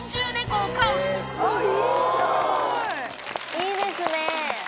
いいですね。